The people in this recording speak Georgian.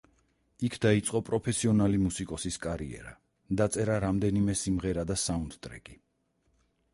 იქ დაიწყო პროფესიონალი მუსიკოსის კარიერა, დაწერა რამდენიმე სიმღერა და საუნდტრეკი.